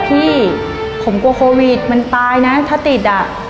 พี่ผมกลัวโควิดมันตายนะถ้าติดอ่ะ